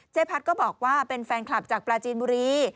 พัดก็บอกว่าเป็นแฟนคลับจากปลาจีนบุรี